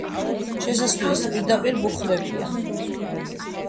შესასვლელის პირდაპირ ბუხრებია.